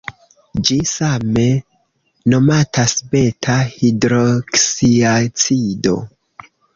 Ĝi same nomatas beta-hidroksiacido.